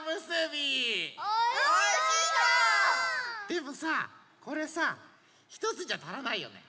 でもさこれさひとつじゃたらないよね。